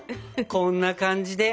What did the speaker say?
こんな感じで！